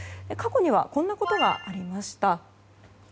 過去にはこんなことがありました。